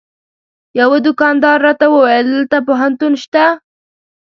یوه دوکاندار راته وویل دلته پوهنتون شته.